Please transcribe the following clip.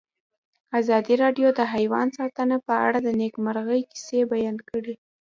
ازادي راډیو د حیوان ساتنه په اړه د نېکمرغۍ کیسې بیان کړې.